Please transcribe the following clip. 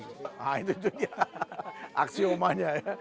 nah itu dia aksiomanya ya